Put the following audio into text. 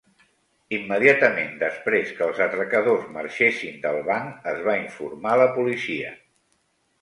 Immediatament després que els atracadors marxessin del banc, es va informar la policia.